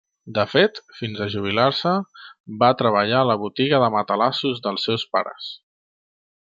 De fet, fins a jubilar-se, va treballar a la botiga de matalassos dels seus pares.